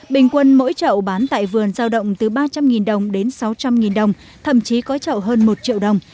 bình quân mỗi chậu bán tại vườn giao động từ ba trăm linh đồng đến sáu trăm linh đồng thậm chí có chậu hơn một triệu đồng